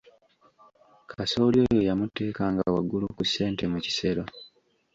Kasooli oyo yamuteekanga waggulu ku ssente mu kisero.